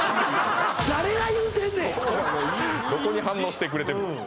いい字うんどこに反応してくれてるんですか